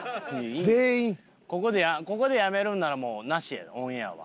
ここでやめるんならもうなしやオンエアは。